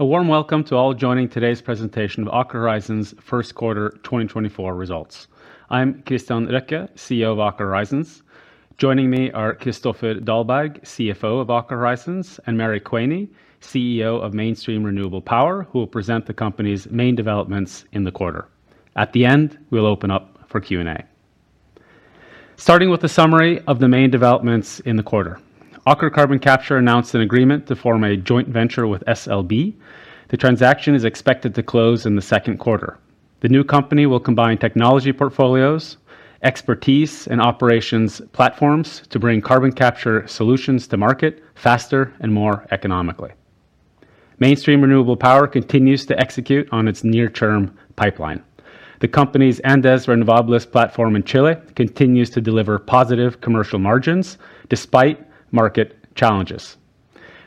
A warm welcome to all joining today's presentation of Aker Horizons first quarter 2024 results. I'm Kristian Røkke, CEO of Aker Horizons. Joining me are Kristoffer Dahlberg, CFO of Aker Horizons, and Mary Quaney, CEO of Mainstream Renewable Power, who will present the company's main developments in the quarter. At the end, we'll open up for Q&A. Starting with a summary of the main developments in the quarter. Aker Carbon Capture announced an agreement to form a joint venture with SLB. The transaction is expected to close in the second quarter. The new company will combine technology portfolios, expertise, and operations platforms to bring carbon capture solutions to market faster and more economically. Mainstream Renewable Power continues to execute on its near-term pipeline. The company's Andes Renovables platform in Chile continues to deliver positive commercial margins despite market challenges.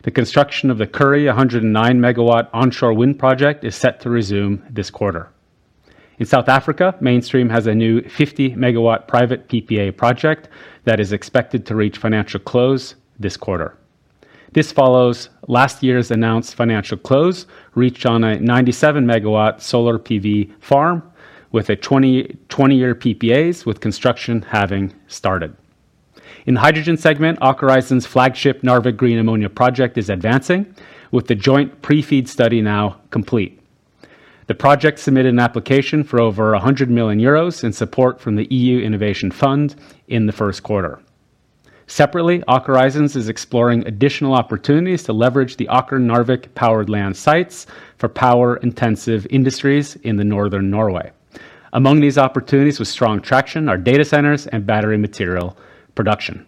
The construction of the CKhuri 109 MW onshore wind project is set to resume this quarter. In South Africa, Mainstream has a new 50 MW private PPA project that is expected to reach financial close this quarter. This follows last year's announced financial close, reached on a 97 MW solar PV farm with a 20-year PPAs, with construction having started. In the hydrogen segment, Aker Horizons' flagship Narvik Green Ammonia project is advancing, with the joint pre-FEED study now complete. The project submitted an application for over 100 million euros in support from the EU Innovation Fund in the first quarter. Separately, Aker Horizons is exploring additional opportunities to leverage the Aker Narvik powered land sites for power-intensive industries in northern Norway. Among these opportunities with strong traction are data centers and battery material production.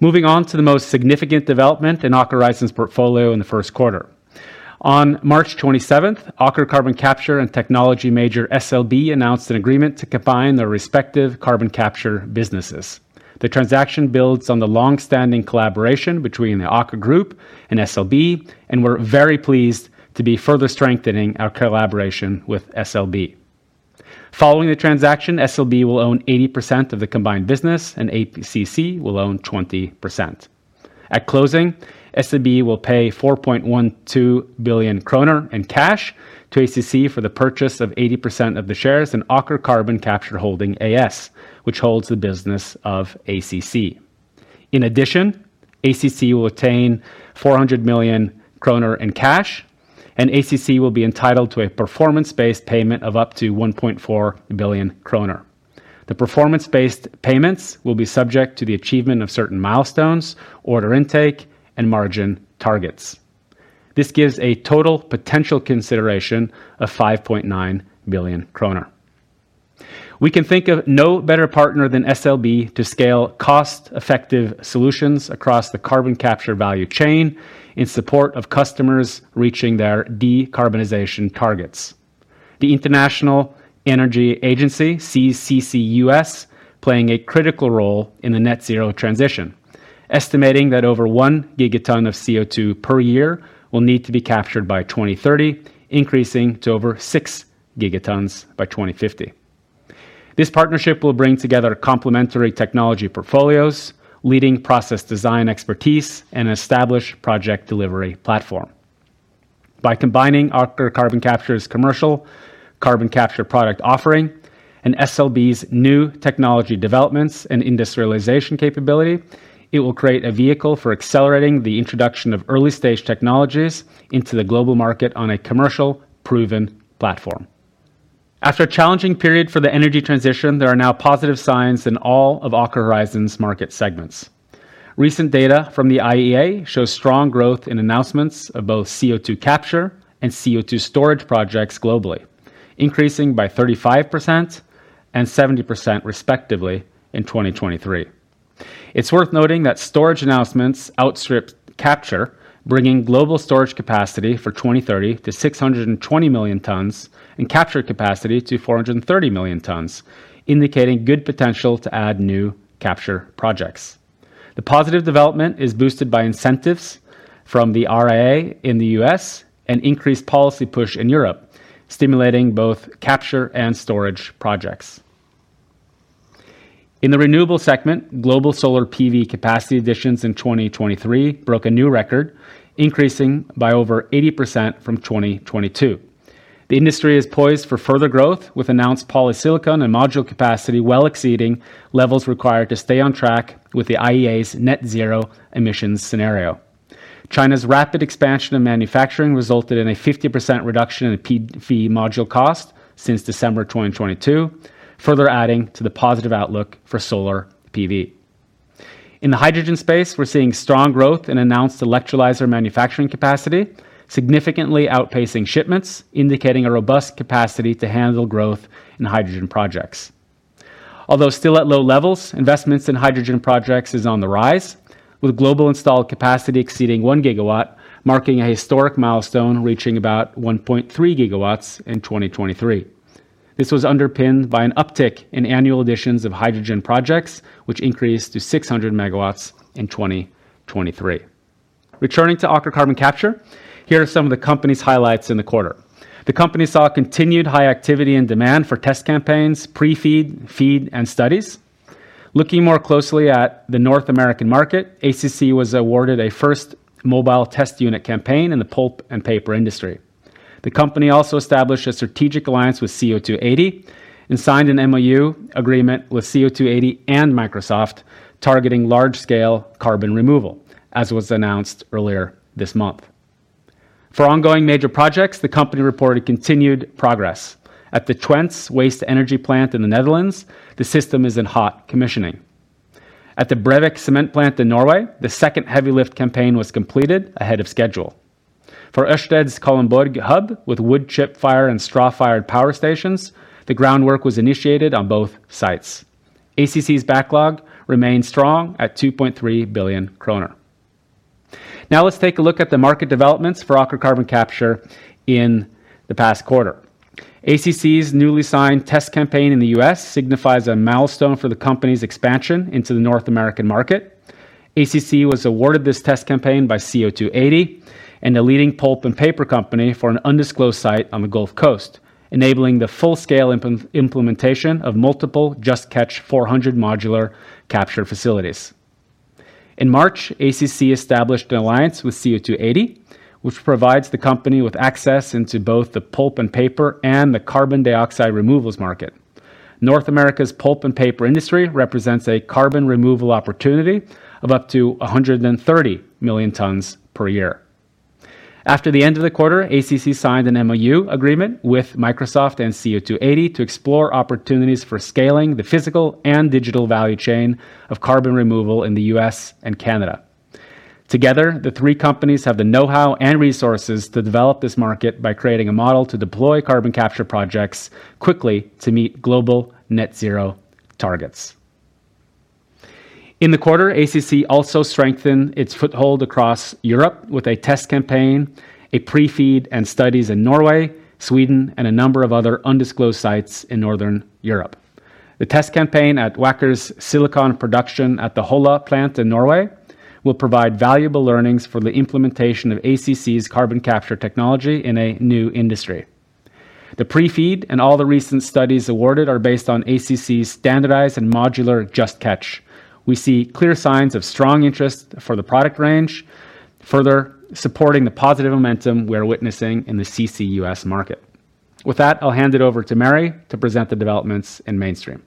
Moving on to the most significant development in Aker Horizons' portfolio in the first quarter. On March 27th, Aker Carbon Capture and technology major SLB announced an agreement to combine their respective carbon capture businesses. The transaction builds on the long-standing collaboration between the Aker group and SLB, and we're very pleased to be further strengthening our collaboration with SLB. Following the transaction, SLB will own 80% of the combined business, and ACC will own 20%. At closing, SLB will pay 4.12 billion kroner in cash to ACC for the purchase of 80% of the shares in Aker Carbon Capture Holding AS, which holds the business of ACC. In addition, ACC will attain 400 million kroner in cash, and ACC will be entitled to a performance-based payment of up to 1.4 billion kroner. The performance-based payments will be subject to the achievement of certain milestones, order intake, and margin targets. This gives a total potential consideration of 5.9 billion kroner. We can think of no better partner than SLB to scale cost-effective solutions across the carbon capture value chain in support of customers reaching their decarbonization targets. The International Energy Agency sees CCUS playing a critical role in the net zero transition, estimating that over 1 gigaton of CO2 per year will need to be captured by 2030, increasing to over 6 gigatons by 2050. This partnership will bring together complementary technology portfolios, leading process design expertise, and established project delivery platform. By combining Aker Carbon Capture's commercial carbon capture product offering and SLB's new technology developments and industrialization capability, it will create a vehicle for accelerating the introduction of early-stage technologies into the global market on a commercial, proven platform. After a challenging period for the energy transition, there are now positive signs in all of Aker Horizons market segments. Recent data from the IEA shows strong growth in announcements of both CO2 capture and CO2 storage projects globally, increasing by 35% and 70%, respectively, in 2023. It's worth noting that storage announcements outstripped capture, bringing global storage capacity for 2030 to 620 million tons and capture capacity to 430 million tons, indicating good potential to add new capture projects. The positive development is boosted by incentives from the RIA in the U.S. and increased policy push in Europe, stimulating both capture and storage projects. In the renewable segment, global solar PV capacity additions in 2023 broke a new record, increasing by over 80% from 2022. The industry is poised for further growth, with announced polysilicon and module capacity well exceeding levels required to stay on track with the IEA's net zero emissions scenario. China's rapid expansion of manufacturing resulted in a 50% reduction in PV module cost since December 2022, further adding to the positive outlook for solar PV. In the hydrogen space, we're seeing strong growth in announced electrolyzer manufacturing capacity, significantly outpacing shipments, indicating a robust capacity to handle growth in hydrogen projects. Although still at low levels, investments in hydrogen projects is on the rise, with global installed capacity exceeding 1 GW, marking a historic milestone, reaching about 1.3 GW in 2023. This was underpinned by an uptick in annual additions of hydrogen projects, which increased to 600 MW in 2023. Returning to Aker Carbon Capture, here are some of the company's highlights in the quarter. The company saw continued high activity and demand for test campaigns, pre-FEED, FEED, and studies. Looking more closely at the North American market, ACC was awarded a first mobile test unit campaign in the pulp and paper industry. The company also established a strategic alliance with CO280, and signed an MoU agreement with CO280 and Microsoft, targeting large-scale carbon removal, as was announced earlier this month. For ongoing major projects, the company reported continued progress. At Twence's waste-to-energy plant in the Netherlands, the system is in hot commissioning. At the Brevik cement plant in Norway, the second heavy lift campaign was completed ahead of schedule. For Ørsted's Kalundborg hub, with wood chip-fired and straw-fired power stations, the groundwork was initiated on both sites. ACC's backlog remains strong at 2.3 billion kroner. Now let's take a look at the market developments for Aker Carbon Capture in the past quarter. ACC's newly signed test campaign in the U.S. signifies a milestone for the company's expansion into the North American market. ACC was awarded this test campaign by CO280 and a leading pulp and paper company for an undisclosed site on the Gulf Coast, enabling the full-scale implementation of multiple Just Catch 400 modular capture facilities. In March, ACC established an alliance with CO280, which provides the company with access into both the pulp and paper and the carbon dioxide removals market. North America's pulp and paper industry represents a carbon removal opportunity of up to 130 million tons per year. After the end of the quarter, ACC signed an MoU agreement with Microsoft and CO280 to explore opportunities for scaling the physical and digital value chain of carbon removal in the U.S. and Canada. Together, the three companies have the know-how and resources to develop this market by creating a model to deploy carbon capture projects quickly to meet global net zero targets. In the quarter, ACC also strengthened its foothold across Europe with a test campaign, a Pre-FEED, and studies in Norway, Sweden, and a number of other undisclosed sites in Northern Europe. The test campaign at Wacker's silicon production at the Holla plant in Norway will provide valuable learnings for the implementation of ACC's carbon capture technology in a new industry. The pre-FEED and all the recent studies awarded are based on ACC's standardized and modular Just Catch. We see clear signs of strong interest for the product range, further supporting the positive momentum we are witnessing in the CCUS market. With that, I'll hand it over to Mary to present the developments in Mainstream.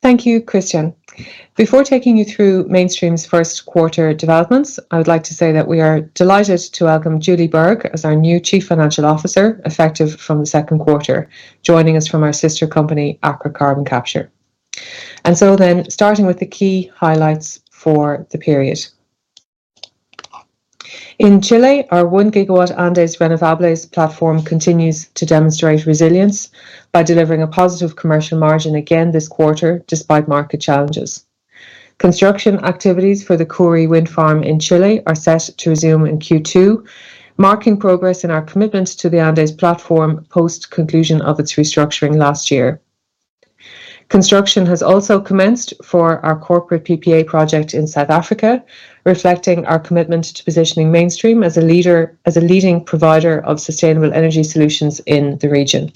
Thank you, Christian. Before taking you through Mainstream's first quarter developments, I would like to say that we are delighted to welcome Julie Berg as our new Chief Financial Officer, effective from the second quarter, joining us from our sister company, Aker Carbon Capture. Starting with the key highlights for the period. In Chile, our 1 GW Andes Renovables platform continues to demonstrate resilience by delivering a positive commercial margin again this quarter, despite market challenges. Construction activities for the CKhuri Wind Farm in Chile are set to resume in Q2, marking progress in our commitment to the Andes platform post conclusion of its restructuring last year. Construction has also commenced for our corporate PPA project in South Africa, reflecting our commitment to positioning Mainstream as a leading provider of sustainable energy solutions in the region.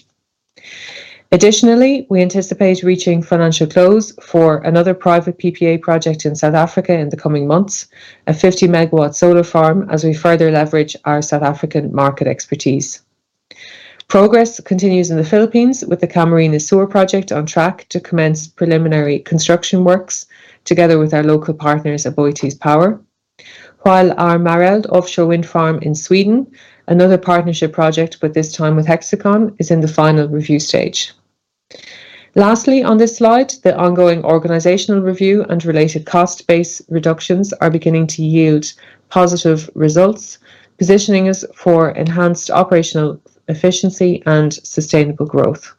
Additionally, we anticipate reaching financial close for another private PPA project in South Africa in the coming months, a 50-MW solar farm, as we further leverage our South African market expertise. Progress continues in the Philippines, with the Camarines Sur project on track to commence preliminary construction works, together with our local partners at AboitizPower. While our Mareld offshore wind farm in Sweden, another partnership project, but this time with Hexicon, is in the final review stage. Lastly, on this slide, the ongoing organizational review and related cost-based reductions are beginning to yield positive results, positioning us for enhanced operational efficiency and sustainable growth.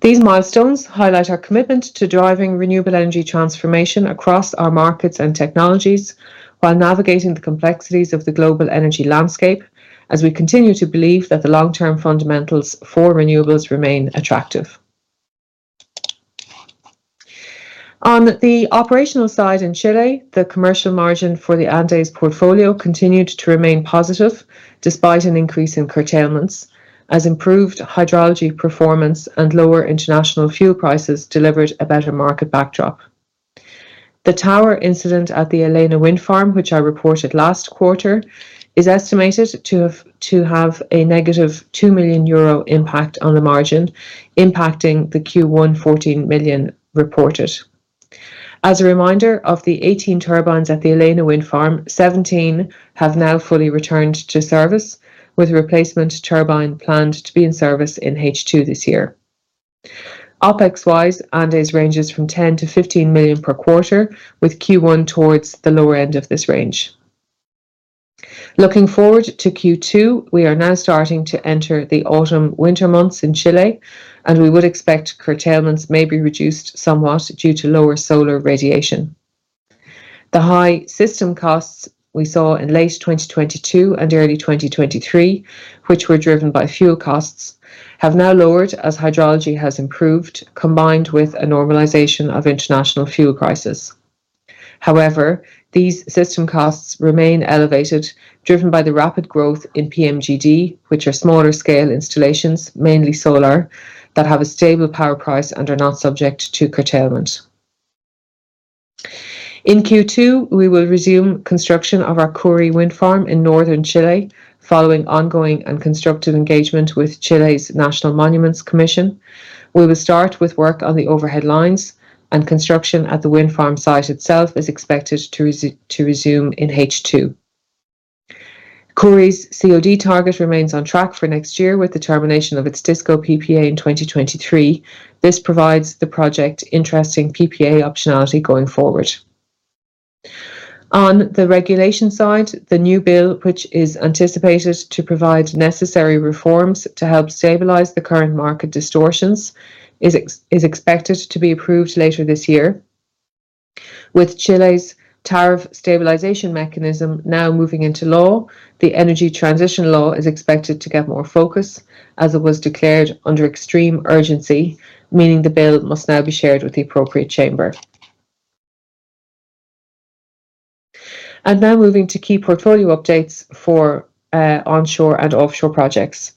These milestones highlight our commitment to driving renewable energy transformation across our markets and technologies, while navigating the complexities of the global energy landscape, as we continue to believe that the long-term fundamentals for renewables remain attractive. On the operational side in Chile, the commercial margin for the Andes portfolio continued to remain positive, despite an increase in curtailments, as improved hydrology performance and lower international fuel prices delivered a better market backdrop. The tower incident at the Alena Wind Farm, which I reported last quarter, is estimated to have a negative 2 million euro impact on the margin, impacting the Q1 14 million reported. As a reminder, of the 18 turbines at the Alena Wind Farm, 17 have now fully returned to service, with a replacement turbine planned to be in service in H2 this year. OPEX-wise, Andes ranges from 10 million-15 million per quarter, with Q1 towards the lower end of this range. Looking forward to Q2, we are now starting to enter the autumn-winter months in Chile, and we would expect curtailments may be reduced somewhat due to lower solar radiation. The high system costs we saw in late 2022 and early 2023, which were driven by fuel costs, have now lowered as hydrology has improved, combined with a normalization of international fuel prices. However, these system costs remain elevated, driven by the rapid growth in PMGD, which are smaller scale installations, mainly solar, that have a stable power price and are not subject to curtailment. In Q2, we will resume construction of our CKhuri Wind Farm in northern Chile, following ongoing and constructive engagement with Chile's National Monuments Commission. We will start with work on the overhead lines, and construction at the wind farm site itself is expected to resume in H2. CKhuri's COD target remains on track for next year, with the termination of its DISCO PPA in 2023. This provides the project interesting PPA optionality going forward. On the regulation side, the new bill, which is anticipated to provide necessary reforms to help stabilize the current market distortions, is expected to be approved later this year. With Chile's tariff stabilization mechanism now moving into law, the energy transition law is expected to get more focus, as it was declared under extreme urgency, meaning the bill must now be shared with the appropriate chamber. And now, moving to key portfolio updates for onshore and offshore projects.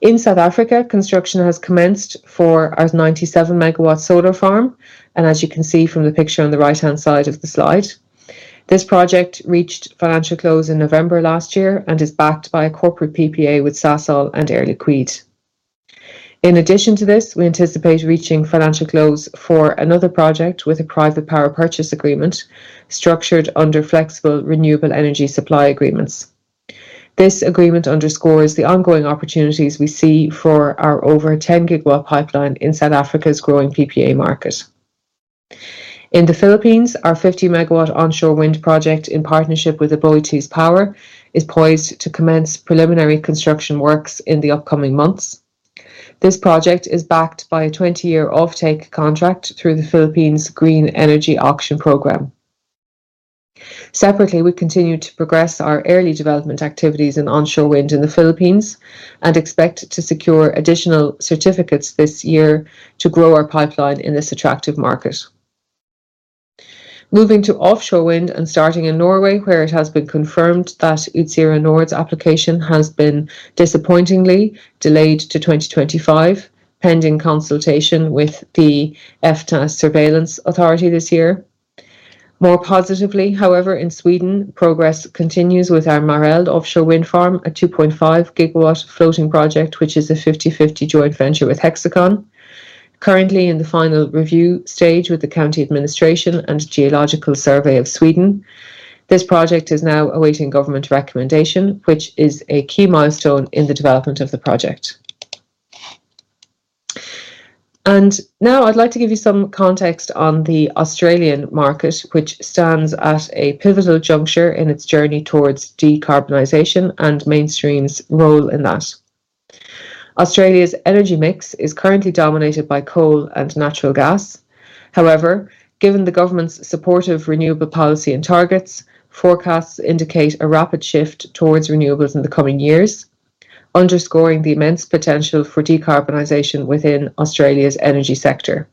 In South Africa, construction has commenced for our 97 MW solar farm, and as you can see from the picture on the right-hand side of the slide, this project reached financial close in November last year and is backed by a corporate PPA with Sasol and Air Liquide. In addition to this, we anticipate reaching financial close for another project with a private power purchase agreement, structured under flexible, renewable energy supply agreements. This agreement underscores the ongoing opportunities we see for our over 10 GW pipeline in South Africa's growing PPA market. In the Philippines, our 50-MW onshore wind project, in partnership with AboitizPower, is poised to commence preliminary construction works in the upcoming months. This project is backed by a 20-year offtake contract through the Philippines' Green Energy Auction Program. Separately, we continue to progress our early development activities in onshore wind in the Philippines and expect to secure additional certificates this year to grow our pipeline in this attractive market. Moving to offshore wind, and starting in Norway, where it has been confirmed that Utsira Nord's application has been disappointingly delayed to 2025, pending consultation with the EFTA Surveillance Authority this year. More positively, however, in Sweden, progress continues with our Mareld offshore wind farm, a 2.5 GW floating project, which is a 50/50 joint venture with Hexicon. Currently in the final review stage with the county administration and Geological Survey of Sweden, this project is now awaiting government recommendation, which is a key milestone in the development of the project. And now I'd like to give you some context on the Australian market, which stands at a pivotal juncture in its journey towards decarbonization and Mainstream's role in that. Australia's energy mix is currently dominated by coal and natural gas. However, given the government's supportive renewable policy and targets, forecasts indicate a rapid shift towards renewables in the coming years, underscoring the immense potential for decarbonization within Australia's energy sector.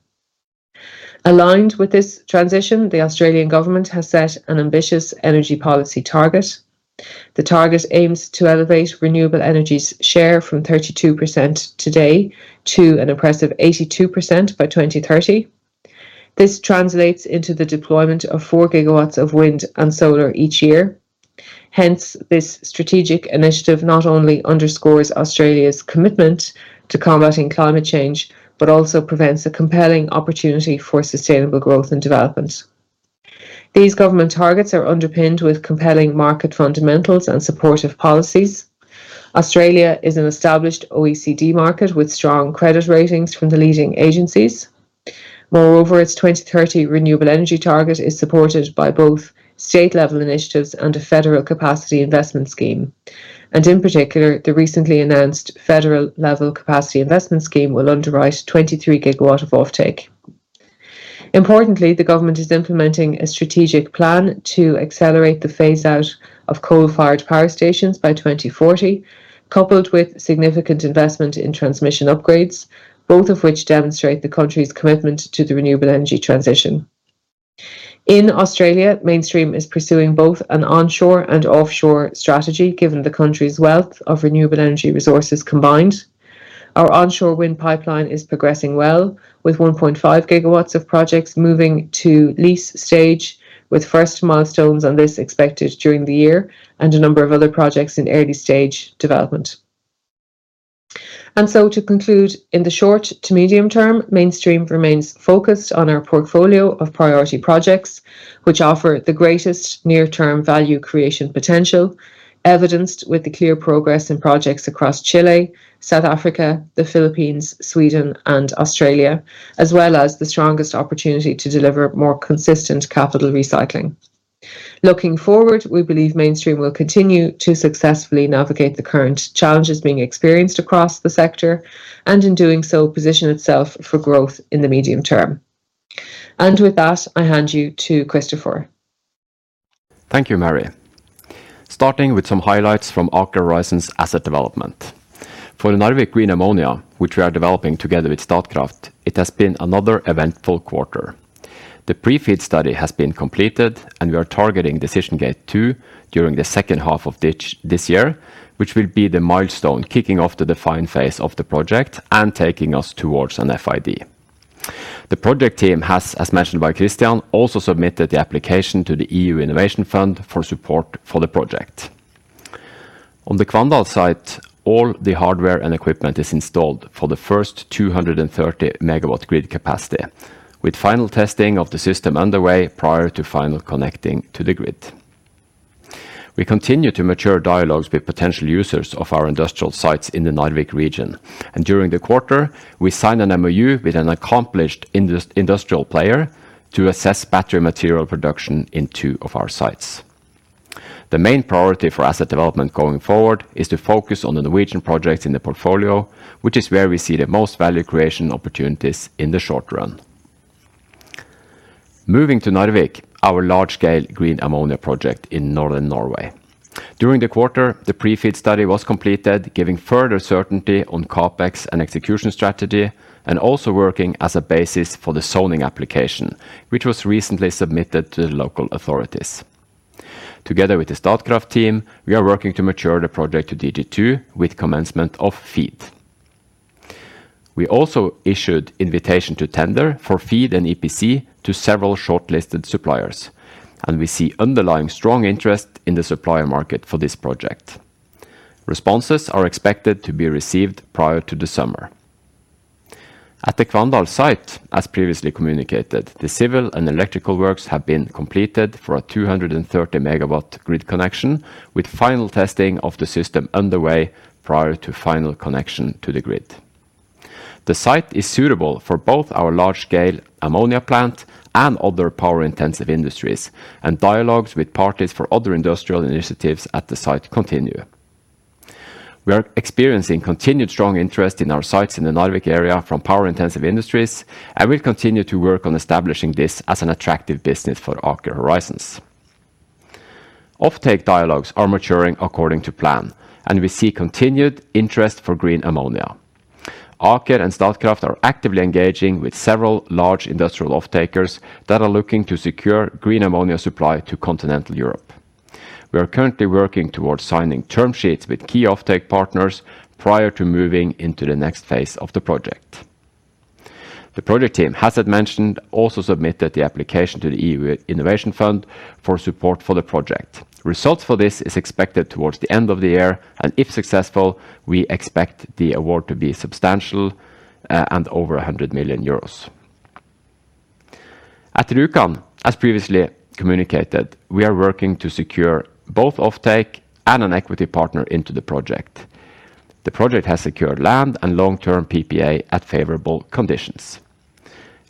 Aligned with this transition, the Australian government has set an ambitious energy policy target. The target aims to elevate renewable energy's share from 32% today to an impressive 82% by 2030. This translates into the deployment of 4 GW of wind and solar each year. Hence, this strategic initiative not only underscores Australia's commitment to combating climate change, but also presents a compelling opportunity for sustainable growth and development. These government targets are underpinned with compelling market fundamentals and supportive policies. Australia is an established OECD market with strong credit ratings from the leading agencies. Moreover, its 2030 renewable energy target is supported by both state-level initiatives and a federal capacity investment scheme, and in particular, the recently announced federal-level capacity investment scheme will underwrite 23 GW of offtake. Importantly, the government is implementing a strategic plan to accelerate the phase-out of coal-fired power stations by 2040, coupled with significant investment in transmission upgrades, both of which demonstrate the country's commitment to the renewable energy transition. In Australia, Mainstream is pursuing both an onshore and offshore strategy, given the country's wealth of renewable energy resources combined. Our onshore wind pipeline is progressing well, with 1.5 GW of projects moving to lease stage, with first milestones on this expected during the year, and a number of other projects in early stage development. And so, to conclude, in the short to medium term, Mainstream remains focused on our portfolio of priority projects, which offer the greatest near-term value creation potential, evidenced with the clear progress in projects across Chile, South Africa, the Philippines, Sweden, and Australia, as well as the strongest opportunity to deliver more consistent capital recycling. Looking forward, we believe Mainstream will continue to successfully navigate the current challenges being experienced across the sector, and in doing so, position itself for growth in the medium term. With that, I hand you to Christopher. Thank you, Mary.... Starting with some highlights from Aker Horizons Asset Development. For Narvik Green Ammonia, which we are developing together with Statkraft, it has been another eventful quarter. The Pre-FEED study has been completed, and we are targeting Decision Gate 2 during the second half of this year, which will be the milestone, kicking off the defined phase of the project and taking us towards an FID. The project team has, as mentioned by Christian, also submitted the application to the EU Innovation Fund for support for the project. On the Kvandal site, all the hardware and equipment is installed for the first 230 MW grid capacity, with final testing of the system underway prior to final connecting to the grid. We continue to mature dialogues with potential users of our industrial sites in the Narvik region, and during the quarter, we signed an MoU with an accomplished industrial player to assess battery material production in two of our sites. The main priority for asset development going forward is to focus on the Norwegian projects in the portfolio, which is where we see the most value creation opportunities in the short run. Moving to Narvik, our large-scale green ammonia project in northern Norway. During the quarter, the pre-FEED study was completed, giving further certainty on CapEx and execution strategy, and also working as a basis for the zoning application, which was recently submitted to the local authorities. Together with the Statkraft team, we are working to mature the project to DG2 with commencement of FEED. We also issued invitation to tender for FEED and EPC to several shortlisted suppliers, and we see underlying strong interest in the supplier market for this project. Responses are expected to be received prior to the summer. At the Kvandal site, as previously communicated, the civil and electrical works have been completed for a 230-MW grid connection, with final testing of the system underway prior to final connection to the grid. The site is suitable for both our large-scale ammonia plant and other power-intensive industries, and dialogues with parties for other industrial initiatives at the site continue. We are experiencing continued strong interest in our sites in the Narvik area from power-intensive industries, and we'll continue to work on establishing this as an attractive business for Aker Horizons. Offtake dialogues are maturing according to plan, and we see continued interest for green ammonia. Aker and Statkraft are actively engaging with several large industrial off-takers that are looking to secure green ammonia supply to continental Europe. We are currently working towards signing term sheets with key offtake partners prior to moving into the next phase of the project. The project team, as I mentioned, also submitted the application to the EU Innovation Fund for support for the project. Results for this is expected towards the end of the year, and if successful, we expect the award to be substantial, and over 100 million euros. At Rjukan, as previously communicated, we are working to secure both offtake and an equity partner into the project. The project has secured land and long-term PPA at favorable conditions.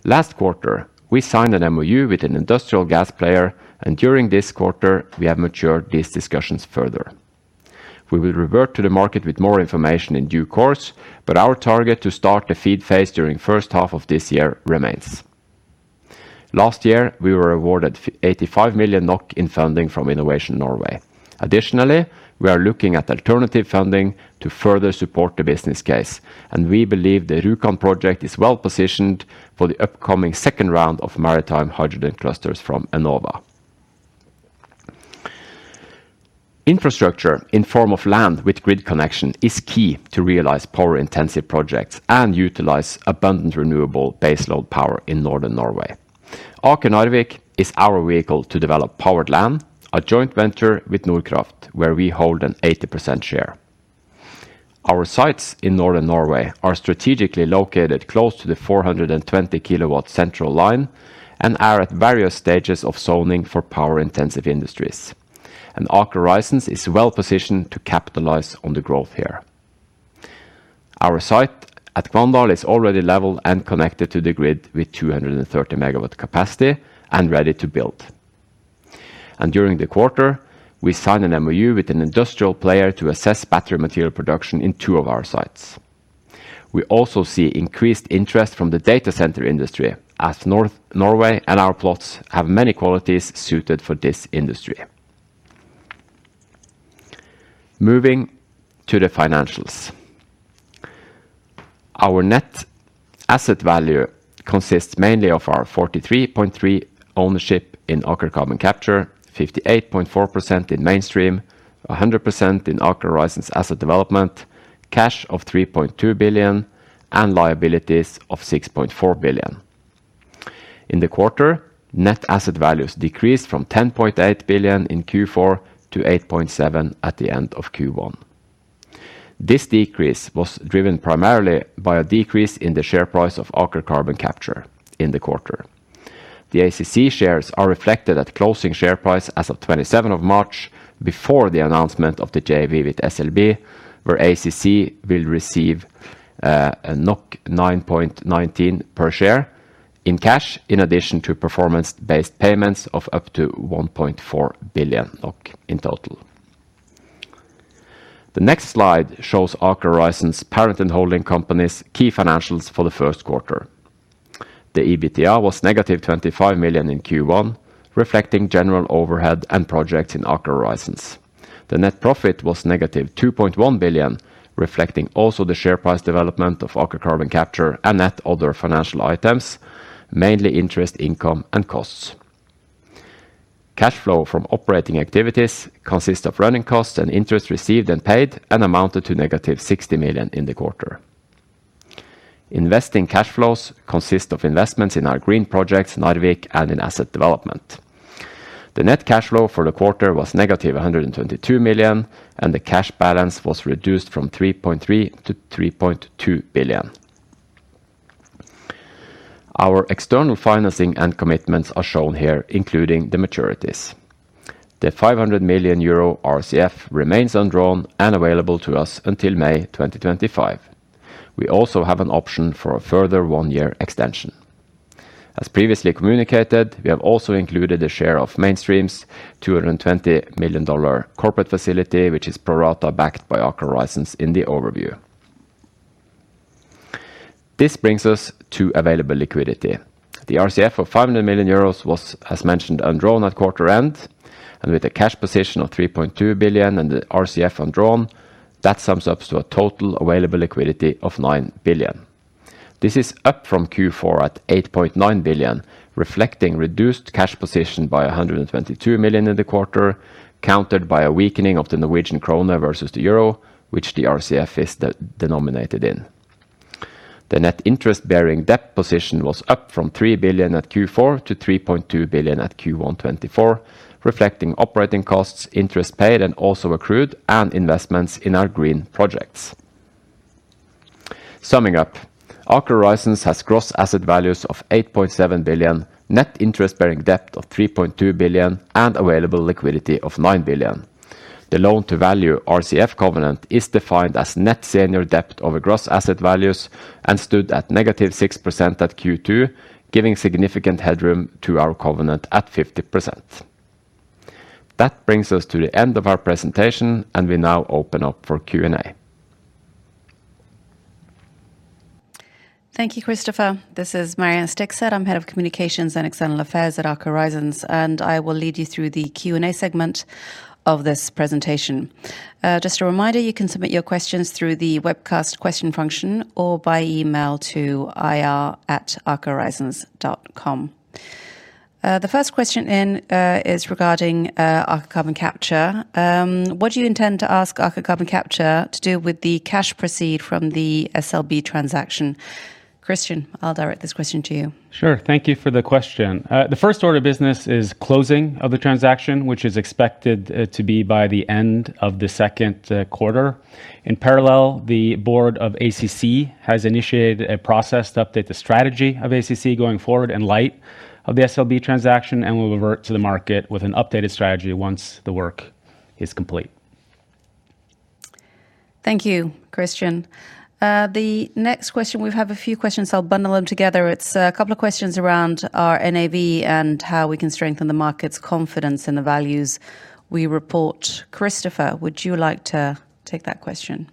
Last quarter, we signed an MoU with an industrial gas player, and during this quarter, we have matured these discussions further. We will revert to the market with more information in due course, but our target to start the FEED phase during first half of this year remains. Last year, we were awarded 85 million NOK in funding from Innovation Norway. Additionally, we are looking at alternative funding to further support the business case, and we believe the Rjukan project is well positioned for the upcoming second round of maritime hydrogen clusters from Enova. Infrastructure in form of land with grid connection is key to realize power-intensive projects and utilize abundant, renewable baseload power in northern Norway. Aker Narvik is our vehicle to develop powered land, a joint venture with Nordkraft, where we hold an 80% share. Our sites in northern Norway are strategically located close to the 420 kV central line and are at various stages of zoning for power-intensive industries, and Aker Horizons is well positioned to capitalize on the growth here. Our site at Kvandal is already level and connected to the grid with 230 MW capacity and ready to build. During the quarter, we signed an MoU with an industrial player to assess battery material production in two of our sites. We also see increased interest from the data center industry as North Norway and our plots have many qualities suited for this industry. Moving to the financials. Our net asset value consists mainly of our 43.3 ownership in Aker Carbon Capture, 58.4% in Mainstream, 100% in Aker Horizons Asset Development, cash of 3.2 billion, and liabilities of 6.4 billion. In the quarter, net asset values decreased from 10.8 billion in Q4 to 8.7 billion at the end of Q1. This decrease was driven primarily by a decrease in the share price of Aker Carbon Capture in the quarter. The ACC shares are reflected at closing share price as of 27th March, before the announcement of the JV with SLB, where ACC will receive 9.19 per share in cash, in addition to performance-based payments of up to 1.4 billion NOK in total.... The next slide shows Aker Horizons parent and holding companies key financials for the first quarter. The EBITDA was negative 25 million in Q1, reflecting general overhead and projects in Aker Horizons. The net profit was -2.1 billion, reflecting also the share price development of Aker Carbon Capture and net other financial items, mainly interest, income, and costs. Cash flow from operating activities consist of running costs and interest received and paid, and amounted to -60 million in the quarter. Investing cash flows consist of investments in our green projects, Narvik, and in asset development. The net cash flow for the quarter was -122 million, and the cash balance was reduced from 3.3 billion to 3.2 billion. Our external financing and commitments are shown here, including the maturities. The 500 million euro RCF remains undrawn and available to us until May 2025. We also have an option for a further one-year extension. As previously communicated, we have also included a share of Mainstream's $220 million corporate facility, which is pro rata backed by Aker Horizons in the overview. This brings us to available liquidity. The RCF of 500 million euros was, as mentioned, undrawn at quarter end, and with a cash position of 3.2 billion and the RCF undrawn, that sums up to a total available liquidity of 9 billion. This is up from Q4 at 8.9 billion, reflecting reduced cash position by 122 million in the quarter, countered by a weakening of the Norwegian kroner versus the euro, which the RCF is denominated in. The net interest-bearing debt position was up from 3 billion at Q4 to 3.2 billion at Q1 2024, reflecting operating costs, interest paid, and also accrued, and investments in our green projects. Summing up, Aker Horizons has gross asset values of 8.7 billion, net interest-bearing debt of 3.2 billion, and available liquidity of 9 billion. The loan-to-value RCF covenant is defined as net senior debt over gross asset values, and stood at -6% at Q2, giving significant headroom to our covenant at 50%. That brings us to the end of our presentation, and we now open up for Q&A. Thank you, Christopher. This is Marianne Stigset. I'm Head of Communications and External Affairs at Aker Horizons, and I will lead you through the Q&A segment of this presentation. Just a reminder, you can submit your questions through the webcast question function or by email to ir@akerhorizons.com. The first question in is regarding Aker Carbon Capture. What do you intend to ask Aker Carbon Capture to do with the cash proceeds from the SLB transaction? Christian, I'll direct this question to you. Sure. Thank you for the question. The first order of business is closing of the transaction, which is expected to be by the end of the second quarter. In parallel, the board of ACC has initiated a process to update the strategy of ACC going forward in light of the SLB transaction, and will revert to the market with an updated strategy once the work is complete. Thank you, Christian. The next question... We have a few questions. I'll bundle them together. It's a couple of questions around our NAV and how we can strengthen the market's confidence in the values we report. Kristoffer, would you like to take that question?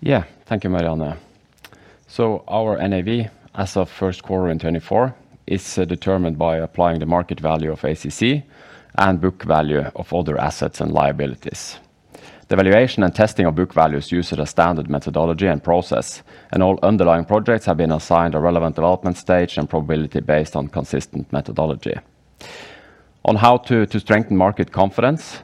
Yeah. Thank you, Marianne. So our NAV, as of first quarter in 2024, is determined by applying the market value of ACC and book value of other assets and liabilities. The valuation and testing of book value is used as a standard methodology and process, and all underlying projects have been assigned a relevant development stage and probability based on consistent methodology. On how to strengthen market confidence,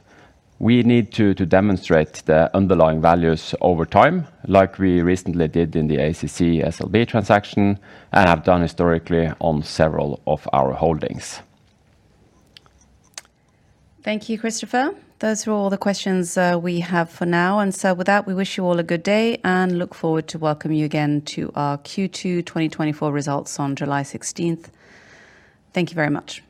we need to demonstrate the underlying values over time, like we recently did in the ACC SLB transaction, and have done historically on several of our holdings. Thank you, Christopher. Those are all the questions we have for now, and so with that, we wish you all a good day, and look forward to welcome you again to our Q2 2024 results on July 16th. Thank you very much.